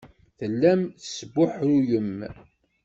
Tellam tesbuḥruyem.